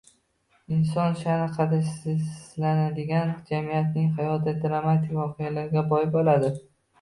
inson sha’ni qadrsizlanadigan jamiyatning hayoti dramatik voqealarga boy bo‘ladi